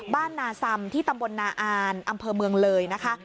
บ้านนาซำที่ตำบลนาอานอำเภอเมืองเลยนะคะ